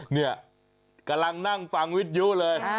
เนี่ยกำลังนั่งฟังวิทยุเลย